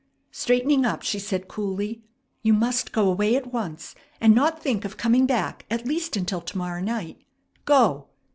Straightening up, she said coolly: "You must go away at once, and not think of coming back at least until to morrow night. Go!"